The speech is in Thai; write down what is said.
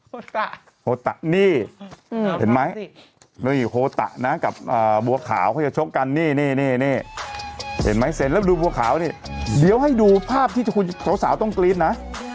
โตะโฮตะนี่เห็นไหมนี่โฮตะนะกับบัวขาวเขาจะชกกันนี่นี่เห็นไหมเซ็นแล้วดูบัวขาวนี่เดี๋ยวให้ดูภาพที่คุณสาวต้องกรี๊ดนะ